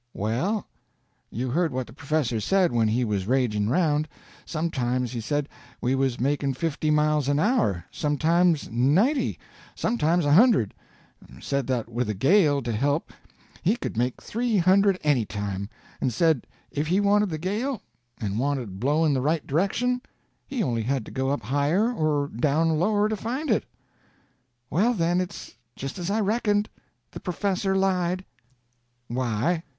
"Well, you heard what the professor said when he was raging round. Sometimes, he said, we was making fifty miles an hour, sometimes ninety, sometimes a hundred; said that with a gale to help he could make three hundred any time, and said if he wanted the gale, and wanted it blowing the right direction, he only had to go up higher or down lower to find it." "Well, then, it's just as I reckoned. The professor lied." "Why?"